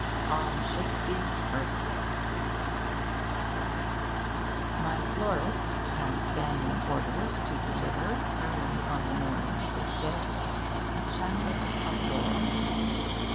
ON SHAKESPEARE'S BIRTHDAY My florist has standing orders to deliver early on the morning of this day a chaplet of laurel.